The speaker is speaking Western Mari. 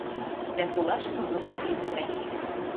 Дӓ солашкы вычат литӹмӓш.